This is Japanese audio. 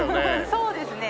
そうですね。